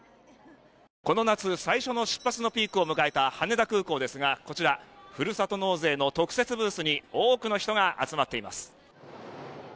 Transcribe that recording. この夏最初の出発のピークを迎えた羽田空港ですがふるさと納税の特設ブースに多くの人が集まっています。